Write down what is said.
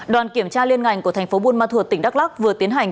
đoàn kiểm tra liên ngành của thành phố buôn ma thuột tỉnh đắk lắc vừa tiến hành